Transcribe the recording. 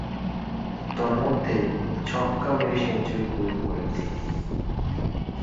তন্মধ্যে, ছক্কা মেরে সেঞ্চুরি পূর্ণ করেন তিনি।